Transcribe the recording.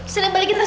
sini balikin tas